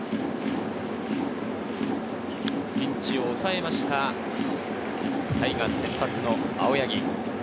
ピンチを抑えました、タイガース先発の青柳。